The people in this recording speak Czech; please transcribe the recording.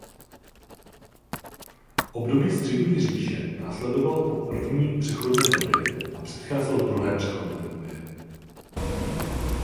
Období Střední říše následovalo po První přechodné době a předcházelo Druhé přechodné době.